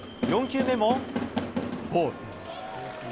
４球目も、ボール。